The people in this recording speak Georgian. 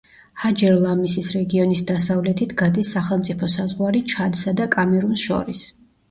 ჰაჯერ-ლამისის რეგიონის დასავლეთით გადის სახელმწიფო საზღვარი ჩადსა და კამერუნს შორის.